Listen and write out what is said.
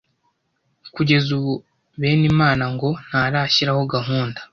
Kugeza ubu Benimana ngo ntarashyiraho gahunda